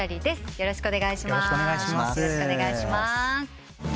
よろしくお願いします。